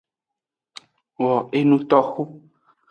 Wo enutnoxu.